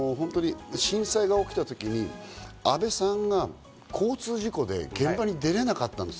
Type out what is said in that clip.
震災が起きたときに、阿部さんが交通事故で現場に出られなかったんです。